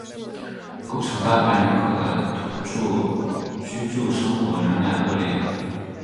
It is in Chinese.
构成大半人口的土着居住生活仍然恶劣。